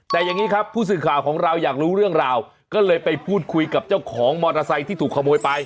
แต่อย่างนี้ครับผู้สื่อข่าวของเราอยากรู้เรื่องราวก็เลยไปพูดคุยกับเจ้าของมอเตอร์ไซค์ที่ถูกขโมยไป